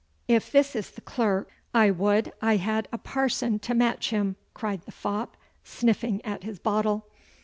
'If this is the clerk I would I had a parson to match him,' cried the fop, sniffing at his bottle.